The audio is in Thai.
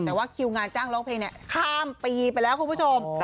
แต่ว่าคิวงานจ้างร้องเพลงเนี่ยข้ามปีไปแล้วคุณผู้ชม